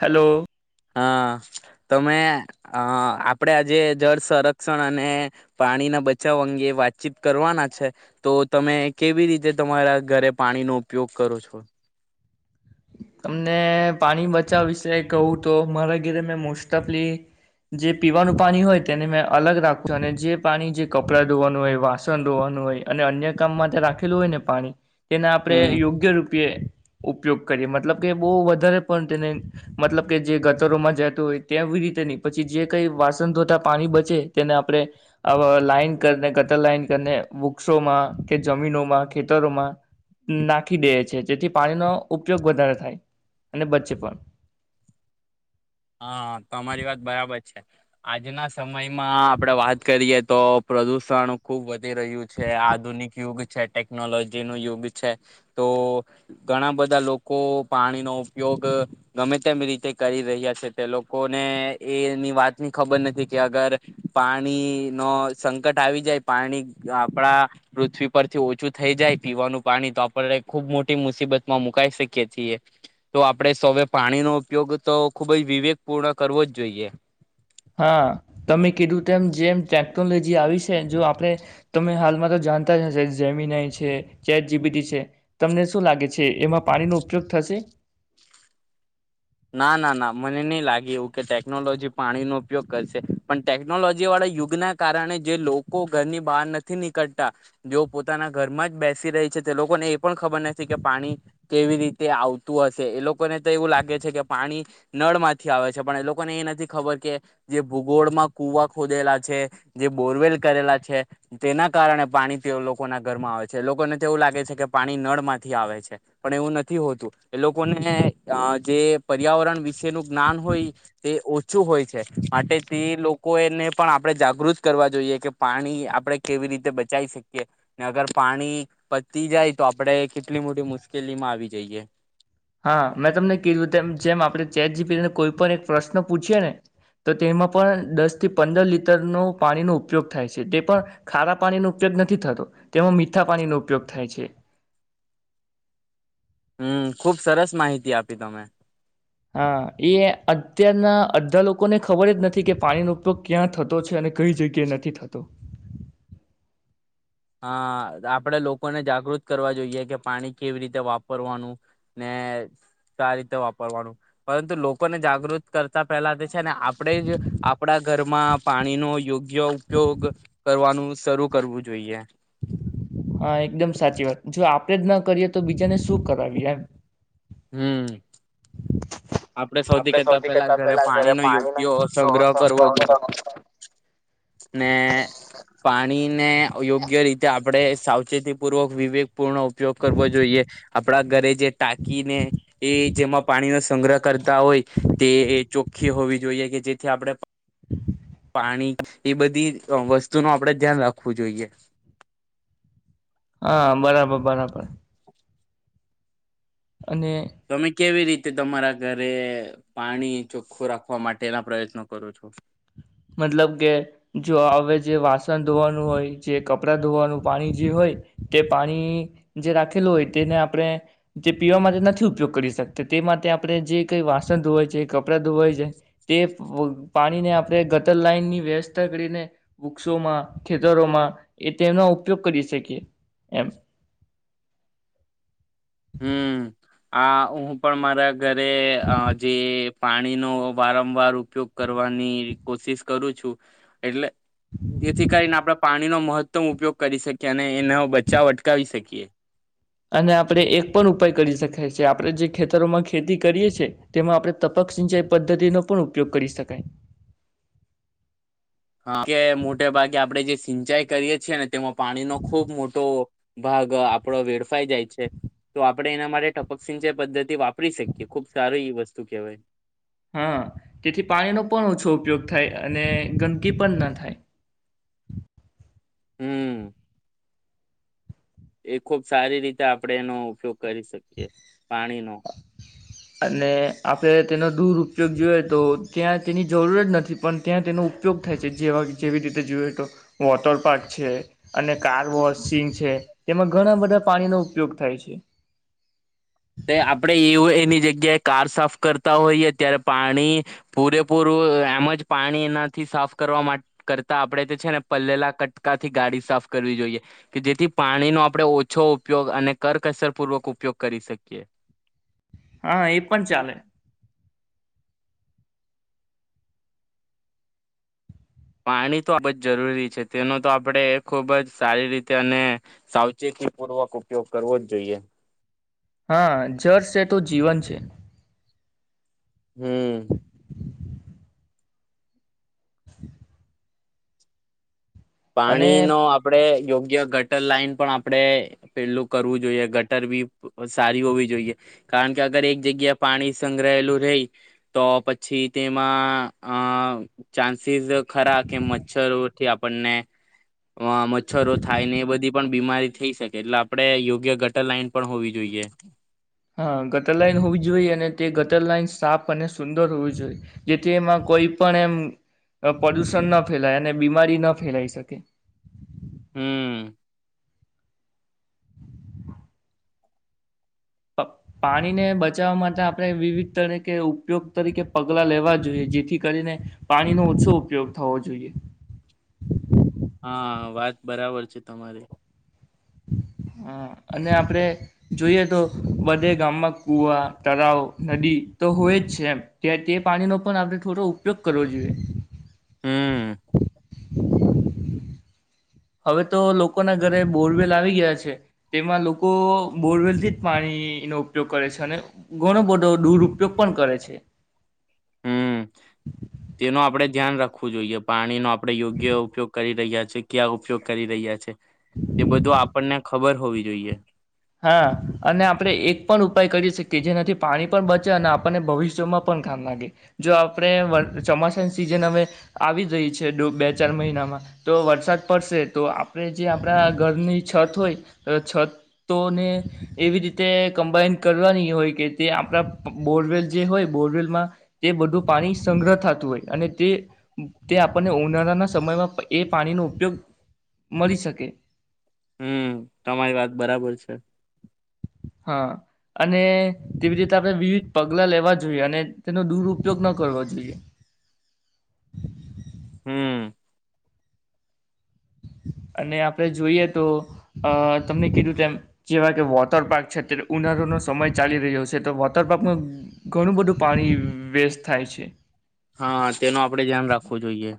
Hello. હા તમે અ આપણેે આજે જળ સંરક્ષણ અને પાણીના બચાવ અંગે વાતચીત કરવાના છે, તો તમે કેવી રીતે તમારા ઘરે પાણીનોો ઉપયોગ કરો છો. તમને પાણી બચાવ વિશે કહું તો મારા ઘીરે મેં મોસ્ટ ઓફલી જે પીવાનું પાણી હોય તેને મેં અલગ રાખતા છું, અને જે પાણી જે કપડાં ધોવાનું હોય વાસણ ધોવાનું હોય અને અન્ય કામમાં રાખેલું હોય, ને પાણી તેને આપણે હમ યોગ્ય રુ આપે ઉપયુક્ત કરીએ મતલબ કે બહુ વધારે પણ તેને મતલબ કે જે ગતરોમાં જતું હોય તેવી રીતે નની પછી જે કઈ વાસણ ધોતા પાણી બચે તેને આપણે લાઈન કરીને ગતર લાઈન કરીને વૃક્ષોમાં કે જમીનોમાં ખેતરોમાં નાખી દઈએ છી જેથી પાણીનો ઉપયોગ વધારે થાય અને બચે પણ. હા, તમારી વાત બરાબર છે, આજના સમય સમયમાં આપડે વાત કરીએ તો પ્રદુષણ ખુબ બધ રહ્યું છે આધુનિક યુગ છે ટેકનોલોજી નું યુગ છે તો ઘણા બધા લોકો પાણી નો ઉપયોગ ગમે તેમ રીતે કરી રહ્યા છે. તે લોકોને એની વાતની ખબર નથી કે અગર પાણી નો સંકટ આવી જાય પાણી આપણા પૃથ્વી પરથી ઓછું થઈ જાય પીવાનું પાણી તો આપણે ખુબ મોટી મુસીબત માં મુકાઈ શકીએ છીએ તો આપડે સૌવે પાણી નો ઉપયોગ તો ખુબ જ વિવેક પૂર્ણ કરવો જ જોઈએ. હા તમે કીધું તેમ જેમ ટેકનોલોજી આવી છે જો આપણે તમે હાલમાં તો જાણતા જ હશે જમીનય છે, ચેટ જીબીટી છે, તમને શું લાગે છે એમાં પાણીનો ઉપયોગ થશે. ના ના ના મને નહી લાગે એવું કે ટેકનોલોજી પાણીનો ઉપયોગ કરશે પણ ટેકનોલોજી વાળા યુગના કારણે જે લોકો ઘરની બહાર નથી નીકળતા જેઓ પોતાના ઘરમાં જ બેસી રહી છે તે લોકોને એ પણ ખબર નથી કે પાણી કેવી રીતે આવતું હશે એ લોકોને તો એવું લાગે કે પાણી નળ માંથી આવે છે પણ લોકોને એ નથી ખબર કે જે ભૂગોળમાં કુવા ખોદેલા છે જે બોરવેલ કરેલા છે તેના કારણે પાણી તે લોકોના ઘરમાં આવે છે લોકોને તેવું લાગે છે કે પાણી નળમાંથી આવે છે પણ એવું નથી હોતું એ લોકોનેઅ જે પર્યાવરણ વિશેનું જ્ઞાન હોય તે ઓછું હોય છે માટે તે લોકો એને પણ આપણે જાગૃત કરવા જોઈએ કે પાણી આપણે કેવી રીતે બચાવી શકીએ અગર પાણી પતી જાય તો આપણે કેટલી મોટી મુશ્કેલીમાં આવી જઈએ હા મેં તમને કીધું તેમ જેમ આપણે ચેટ જીપીટી ને કોઈ પણ એક પ્રશ્ન પૂછે ને તો તેમાં પણ દસ થી પંદર લીટરનો પાણીનો ઉપયોગ થાય છે તે પણ ખારા પાણીનો ઉપયોગ નથી થતો તેમાં મીઠા પાણીનો ઉપયોગ થાય છે. હમ ખુબ સરસ માહિતી આપી તમે હા એ અત્યારના અડધા લોકોને ખબર જ નથી કે પાણીનોો ઉપયોગ ક્યાં થતો છે અને કઈ જગ્યાએ નથી થતો. હ આપડે લોકોને જાગૃત કરવા જોઈએ કે પાણી કેવી રીતે વાપરવાનું ને કા રીતે વાપરવાનું પરંતુ લોકોને જાગૃત કરતા પહેલા તે છે ને આપણેે જ આપડા ઘરમાં પાણીનો યોગ્ય ઉપયોગ કરવાનું. શરૂ કરવું જોઈએ. હ. હા એકદમ સાચી વાત જો આપડે જ ના કરીએ તો બીજાને શું કરાવીએ એમ હમ્. આપડણે સૌથી કરતા પેલા ઘરે પાણીનોો યોગ્ય સંગ્રહ કરવો ને પાણીને યોગ્ય રીતે આપડણે સાવચેતી પૂર્વક વિવેક પૂર્ણ ઉપયોગ કરવો જોઈએ આપણા ઘરે જે ટાકીને એ જેમાં પાણીનો સંગ્રહત કરતા હોય તે એ ચોખ્ખી હોવી જોઈએ કે જેથી આપડણે પાણી એ બધી વસ્તુ ન આપડે ધ્યાન રાખવું જોઈએ હા બરાબર બરાબર. અને તમે કેવી રીતે તમારા ઘરે પાણી ચોખ્ખું રાખવા માટેના પ્રયત્નો કરો છો? મતલબ કે જો હવે જે વાસણ ધોવાનું હોય જે કપડાં ધોવાનું પાણી જે હોય તે પાણી જે રાખેલું હોય તેને આપણે તે પીવા માટે નથી ઉપયોગ કરી શકતા તે માટે આપણે જે કઈ વાસણ ધોવાય છે કપડાં ધોવાય છે તે પાણીને આપણે લાઈનની વ્યવસ્થા કરીને વૃક્ષોમાં ખેતરોમાં એ તેમનો ઉપયોગ કરી શકીએ એમ. હમ આ હું પણ મારા અ ઘરે અ જે પાણીનો વારંવાર ઉપયોગ કરવાની કોશિશ કરું છું એટલે જેથી કરીને આપડે પા ણી નો મહત્તમ ઉપયોગ કરી શકીએ અને એનો બચાવ અટકાવી શકીએ. અને આપણે એક પણ ઉપાય કરી શકાય છે આપણે જે ખેતરોમાં ખેતી કરીએ છીએ તેમાં આપણે તપક સિંચાઈ પદ્ધતિનો પણ ઉપયોગ કરી શકાય. હા કે મોટે ભાગે આપડે જે સિંચાઈ કરીએ છીએ અને તેમાં પાણીનો ખૂબ મોટો ભાગ આપડો વેડફાઈ જાય છે તો આપડે એના માટે ટપક સિંચય પદ્ધતિ વાપ પરી શકીએ ખુબ સારી એ વસ્તુ તું કેવાય. હા તેથી પાણીનો પણ ઓછો ઉપયોગ થાય અને ગંદકી પણ ના થાય. હમ. એ ખુબ સારી રીતે આપડે એનો ઉપયોગ કરી શકીએ પાણી નો. અને આપણે તેનો દૂર ઉપયોગ જોઈએ તો ત્યાં તેની જરૂર જ નથી પણ ત્યાં તેનો ઉપયોગ થાય છે જેવા જેવી રીતે જોઈએ તો વોટર પાર્ક છે અને કારવો સિંંગ છે. તેમાં ઘણા બધા પાણીનો ઉપયોગ થાય છે. [unintelligible] તે આપણેે એવું એની જગ્યાએ કાર સાફ કરતા હોઈએ ત્યારે પાણી પૂરેપૂરું એમ જ પાણી એનાથી સાફ કરવા કરતા આપણે તે છે ને પલેલા કટકાથી ગાડી સાફ કરવી જોઈએ કે જેથી પાણીનો આપણે ઓછો ઉપયોગ અને કરકસરપૂર્વક ઉપયોગ કરી શકી. [unintelligible] હા એ પણ ચાલે. પાણી તો આ જ જરૂરી છે તેનો તો આપણે ખૂબ જ સારી રીતે અને સાવચેતીપૂર્વક ઉપયોગ કરવો જ જોઈએ. હા જર છે તો જીવન છે. હમ. [inaudible] અને પાણી નો આપડે યોગ્ય ગટર લાાઈન પણ આપણે પેલું કરવું જોઈએ ગટર બી સારી હોવી જોઈએ કારણ કે અગર એક જગ્યા પાણી સંગ્રહલું રહી તો પછી તેમાં અ ચાન્સીસ ખરા કે મચ્છરોથી પને મચ્છરો થાય ને એ બધી પણ બીમારી થઈ શકે એટલે આપણેે યોગ્ય ગટર લાઈન પણ હોવી જોઈએ. હા ગટર લાઈન હોવી જોઈએ અને તે ગટર લાઈન સાપ અને સુંદર હોવી જોઈ જેથી એમાં કોઈ પણ એમ પદુષણ ના ફેલાય અને બીમારી ન ફેલાઈ શકે. હમ્મ. પ-પાણીને બચાવા માટે આપણે વિવિધ તરીકે ઉપયોગ તરીકે પગલા લેવા જોઈએ જેથી કરીને પાણીનો ઓછો ઉપયોગ થવો જોઈએ. હા વાત બરાબર છે તમારી. હમ્મ અને આપણે જોઈએ તો બધે ગામમાં કુવા તરાવ નદી તો હોય જ છે એમ કે તે પાણીનો પણ આપણે થોડો ઉપયોગ કરવો જોઈએ. હમ હવે તો લોકોના ઘરે બોરવેલ આવી ગયા છે તેમાં લોકો બોરવેલ થી જ પાણીનો ઉપયોગ કરે છે અને ઘણો બધો દુરપયોગ પણ કરે છે. હમ્મ તેનું આપડે ધ્યાન રાખવું જોઈએ પાણીનો આપ પડે યોગ્ય ઉપયોગ કરી રહ્યા છે ક્યાં ઉપયોગ કરી રહ્યા છે્ એ બધું આપણને ખબર હોવી જોઈએ. હા કે જેનાથી પાણી પણ બચે અને આપણને ભવિષ્યમાં પણ કામ લાગે જો આપણે વર ચોમાસાની સિઝન હવે આવી જ રહી છે ડો બે ચાર મહિનામાં તો વરસાદ પડશે તો આપણે જે આપણા ઘરની છત હોય તો છત તોને એવી રીતે કમ્બાઈન કરવાની હોય કે તે આપણા પ બોરવેલ જે હોય બોરવેલમાં તે બધું પાણી સંગ્રહ થાતું હોય અને તે તે આપણને ઉનાળાના સમયમાં એ પાણીનો ઉપયોગ મળી શકે. હમ્મ તમારી વાત બરાબર છે. હા, અને તેવરીત આપણે વિવિધ પગલા લેવા જોઈએ અને તેનો દુરપયોગ ન કરવા જોઈએ. હમ્મ. અને આપડે જોઈએ તો અ તમને કીધું તેમ જેવા કે વોટર પાર્ક છે ત્રે ઉનારોનો સમય ચાલી રહ્યો છે તો વોટરપ્પમાં ઘણું બધું પાણી વ-વેસ્ટ થાય છે. હા તેનું આપડે ધ્યાન રાખવું જોઈએ.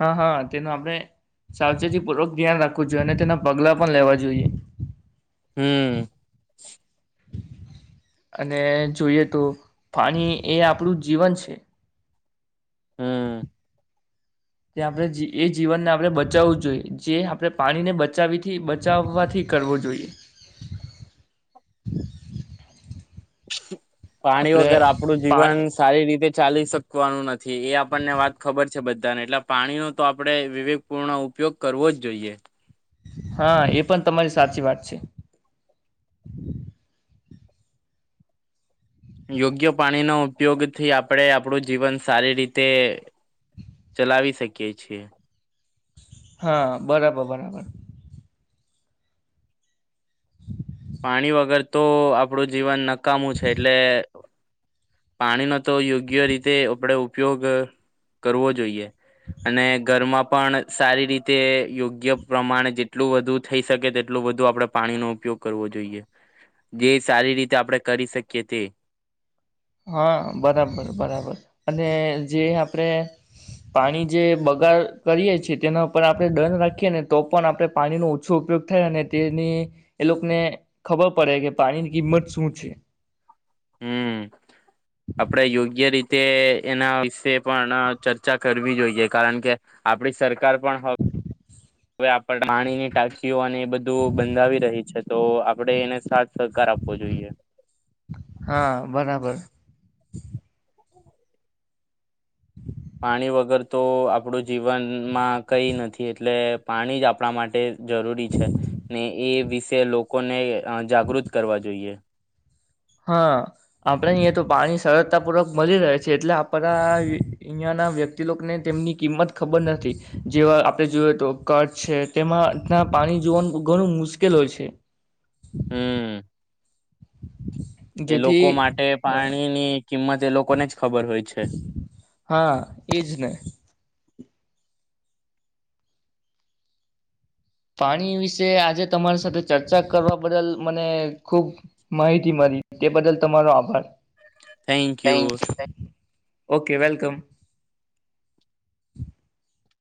હા હા તેનું આપણે સાવચેતી પૂર્વક ધ્યાન રાખવું જોઈએ અને તેના પગલા પણ લેવા જોઈએ. હમ્મ. અને જોઈએ તો પાણી એ આપણું જીવન છે. હમ [inaudible] ત્યા આપણે જી એ જીવનને આપણે બચાવવું જોઈએ જે આપણે પાણીને બચાવીથી બચાવવાથી કરવો જોઈએ. પાણી આપડે વગર આપણું પા જીવન સારી રીતે ચાલી શકવાનું નથી. એ આપણને વાત ખબર છે બધ એટલે પાણીનો તો આપડે વિવેકપૂર્ણ ઉપયોગ કરવો જ જોઈએ. હા એ પણ તમારી સાચી વાત છે. યોગ્ય પાણીનો ઉપયોગ થી આપડે આપડું જીવન સારી રીતે ચલાવી શકીએ છીએ. હા બરાબર બરાબર. [inaudible] પાણી વગર તો આપડું જીવન નક્ કામું છે એટલે પાણીનો તો યોગ્ય રીતે આપડે ઉપયોગ, કરવો જોઈએ અને ઘરમાં પણ સારી રીતે યોગ્ય પ્રમાણે જેટલું વધુ થઈ શકે તેટલું બધું આપડે પાણીનો ઉપયોગ કરવો જોઈએ, ગે સારી રીતે આપડે કરી શકીએ તે. હા બરાબર બરાબર અને જે આપણેે, પાણી જે બગાડ કરીએ છે તેના ઉપર આપણે દંડ રાખીએ ને તો પણ આપણે પાણીનો ઓછો ઉપયોગ થાય અને તેની, એ લોકને ખબર પડે કે પાણીની કિંમત શું છે. હમ્મ. આપડે યોગ્ય રીત તે એના વિશે પણ અ ચર્ચા કરવી જોઈએ કારણ કે, આપણી સરકાર પણ હ હવે આપ પાણીની ટાકીઓ અને એ બધું બંધાવી રહી છે. તો આપણેે એને સાત હા બરાબર. [inaudible] પાણી વગર તો આપણું જીવનમાં કઈ નથી એટલે પાણી જ આપણા માટે જરૂરી છે, ને એ વિ કે લોકો ને જાગૃત કરવા જોઈએ. હા, આપણેહી તો પાણી સરળતાપૂર્વક મળી રહે છે એટલે આપણા અહીયાના વ્યક્તિ લોકોને તેમની કિંમત ખબર નથી, જેવા આપણે જોયએ તો ક્છ છે તેમાં પાણી જોવાનું ઘણું મુશ્કેલ હોય છે. હમ્મ. એ જેથી લોકો માટે પાણીની કિંમત એ લોકોને જ ખબર હોય છે. હા એજ ને પાણી વિશે આજે તમારી સાથે ચર્ચા કરવા બદલ મને ખુબ માહિતી મળી તે બદલ તમારો આભાર. Thank you okay welcome.